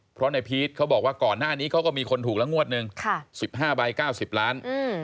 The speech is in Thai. เพราะในพีชเขาบอกว่าก่อนหน้านี้เขาก็มีคนถูกละงวดหนึ่ง๑๕ใบ๙๐ล้าน